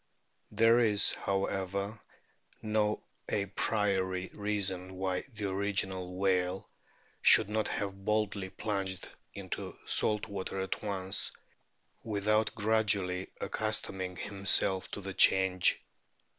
There is, however, no a priori reason why the original whale should not have boldly plunged into salt water at once without gradually accustoming himself to the change.